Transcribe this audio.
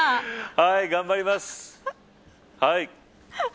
はい、頑張ります。